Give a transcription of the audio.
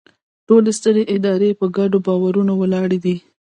ټولې سترې ادارې په ګډو باورونو ولاړې دي.